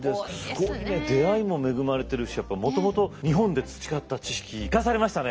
すごいね出会いも恵まれてるしやっぱもともと日本で培った知識生かされましたね。